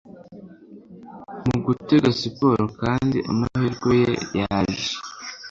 mu gutega siporo kandi amahirwe ye yaje